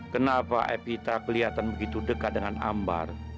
kenapa epita kelihatan begitu dekat dengan ambar